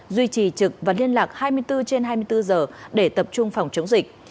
duy trì trực và liên lạc hai mươi bốn trên hai mươi bốn giờ để tập trung phòng chống dịch